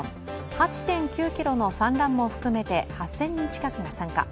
８．９ｋｍのファンランも含めて８０００人が参加。